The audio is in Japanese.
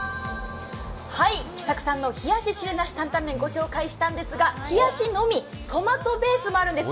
きさくさんの冷やし汁なし担担麺ご紹介したんですが冷やしのみ、トマトベースもあるんです。